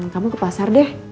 kamu ke pasar deh